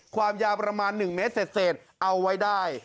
ความยาวประมาณ๑เมตรเศษเอาไว้ได้